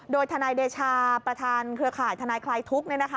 โดยทนายเดชาประธานเครือข่ายทนายคลายทุกข์